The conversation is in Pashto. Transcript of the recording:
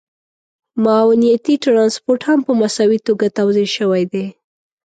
معاونيتي ټرانسپورټ هم په مساوي توګه توزیع شوی دی